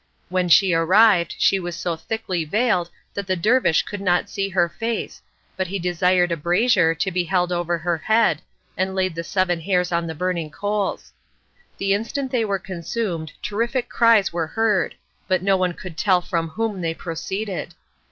When she arrived, she was so thickly veiled that the dervish could not see her face, but he desired a brazier to be held over her head, and laid the seven hairs on the burning coals. The instant they were consumed, terrific cries were heard, but no one could tell from whom they proceeded.